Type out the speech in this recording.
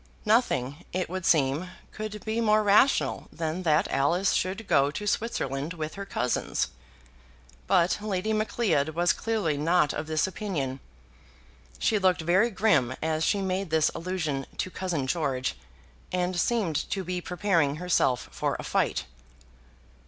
Nothing, it would seem, could be more rational than that Alice should go to Switzerland with her cousins; but Lady Macleod was clearly not of this opinion; she looked very grim as she made this allusion to cousin George, and seemed to be preparing herself for a fight.